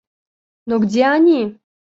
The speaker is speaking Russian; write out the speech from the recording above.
Но где они?